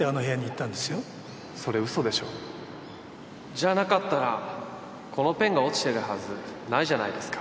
じゃなかったらこのペンが落ちてるはずないじゃないですか